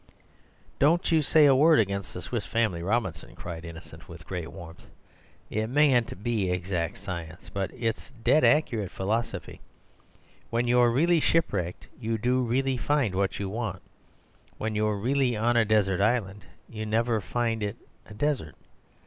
"Don't you say a word against the 'Swiss Family Robinson,'" cried Innocent with great warmth. "It mayn't be exact science, but it's dead accurate philosophy. When you're really shipwrecked, you do really find what you want. When you're really on a desert island, you never find it a desert.